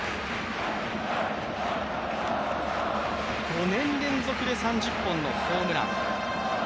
５年連続で３０本のホームラン。